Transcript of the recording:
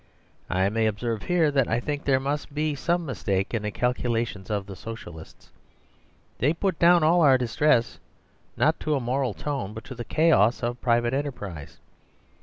I may observe here that I think there must be some mistake in the calculations of the Socialists. They put down all our distress, not to a moral tone, but to the chaos of private enterprise.